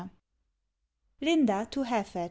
LINDA TO HAFED.